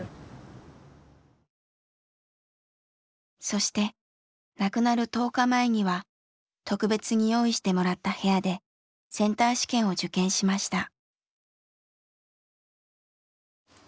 そして亡くなる１０日前には特別に用意してもらった部屋でセンター試験を受験しました。